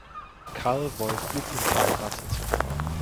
Karl Wolf blieb unverheiratet.